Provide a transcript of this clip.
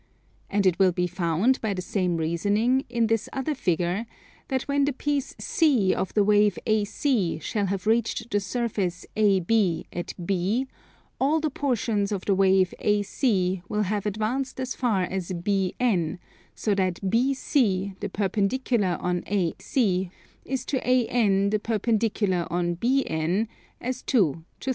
And it will be found by the same reasoning, in this other figure, that when the piece C of the wave AC shall have reached the surface AB at B, all the portions of the wave AC will have advanced as far as BN, so that BC the perpendicular on AC is to AN the perpendicular on BN as 2 to 3.